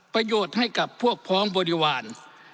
ประโยชน์ให้กับพวกพ้องบริวาร